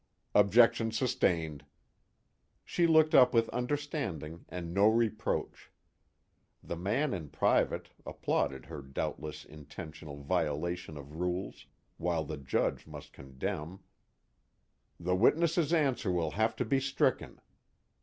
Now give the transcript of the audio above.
"Objection sustained." She looked up with understanding and no reproach. The man in private applauded her doubtless intentional violation of rules, while the Judge must condemn. "The witness's answer will have to be stricken."